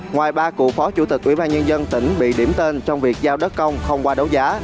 ngoài ba cựu phó chủ tịch ủy ban nhân dân tỉnh bị điểm tên trong việc giao đất công không qua đấu giá